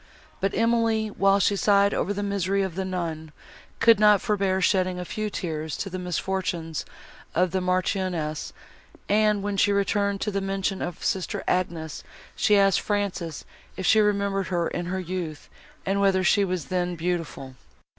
But Emily, while she sighed over the misery of the nun, could not forbear shedding a few tears to the misfortunes of the Marchioness; and, when she returned to the mention of sister Agnes, she asked Frances if she remembered her in her youth, and whether she was then beautiful.